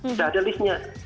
sudah ada list nya